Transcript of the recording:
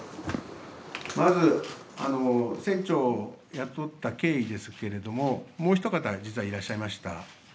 まず、船長を雇った経緯ですけれども、もうひとかた、実はいらっしゃいました。